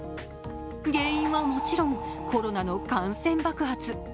原因はもちろん、コロナの感染爆発。